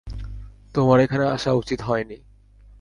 তোমার এখানে আসা উচিত হয়নি।